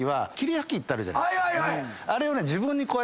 あれをね。